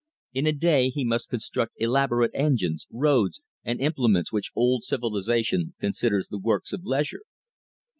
In a day he must construct elaborate engines, roads, and implements which old civilization considers the works of leisure.